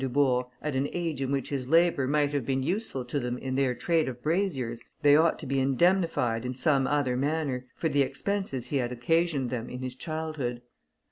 Dubourg at an age in which his labour might have been useful to them in their trade of braziers, they ought to be indemnified, in some other manner, for the expenses he had occasioned them in his childhood.